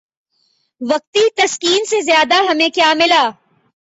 وقتی تسکین سے زیادہ ہمیں کیا ملا؟